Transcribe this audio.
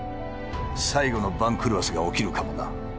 最後の番狂わせが起きるかもな。